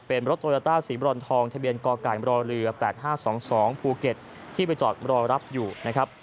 เป็นรถโรยาต้าสีบรอนทองทะเบียนกอก่ายบรรลือแปดห้าสองสองภูเก็ตที่ไปจอดรอรับอยู่นะครับ